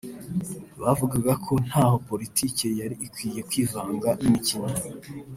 bavugaga ko ntaho politike yari ikwiye kwivanga n’imikino